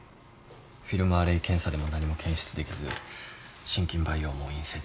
フィルムアレイ検査でも何も検出できず真菌培養も陰性です。